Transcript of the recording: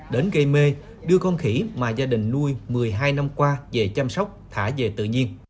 đến gây mê đưa con khỉ mà gia đình nuôi một mươi hai năm qua về chăm sóc thả về tự nhiên